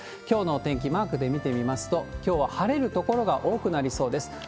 きょうの天気、マークで見てみますと、きょうは晴れる所が多くなりそうです。